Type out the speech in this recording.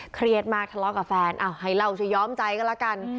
เครียดมากทะเลาะกับแฟนให้เราจะย้อมใจกันละกัน